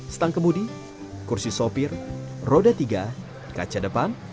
stang kemudi kursi sopir roda tiga kaca depan